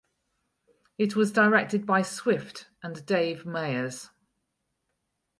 It was directed by Swift and Dave Meyers.